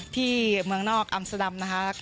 ที่เมืองนอกอัมสดัมนะคะ